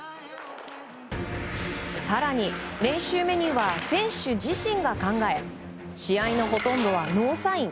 更に練習メニューは選手自身が考え試合のほとんどはノーサイン。